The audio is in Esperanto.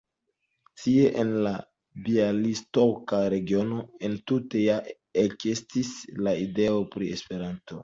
Tie en la bjalistoka regiono entute ja ekestis la ideo pri Esperanto.